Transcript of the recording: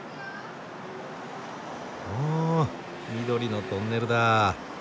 お緑のトンネルだ。